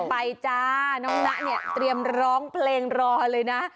ไปจ้าน้องน้าเตรียมร้องเพลงรอเลยนะ